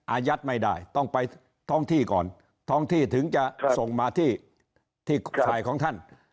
อายัดไม่ได้ต้องไปท้องที่ก่อนท้องที่ถึงจะส่งมาที่ฝ่ายของท่าน